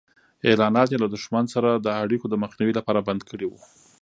اعلانات یې له دښمن سره د اړیکو د مخنیوي لپاره بند کړي وو.